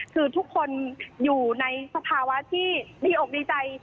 คือทุกคนอยู่ในสภาวะที่ดีอกดีใจ